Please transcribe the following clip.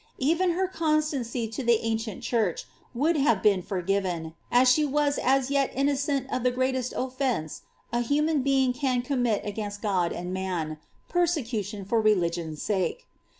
Even her constancy to the ancient church would have been forgiven, as she was as yet innocent of the greatest ofience a human being can commit against God and man — ^persecution for religion's sake.